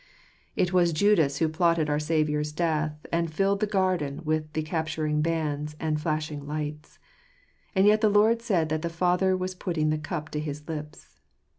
It was Judas who plotted our Saviour's death, and filled the garden with the capturing bands and flashing lights; and yet the Lord Jesus said that the Father was putting the cup to his lips.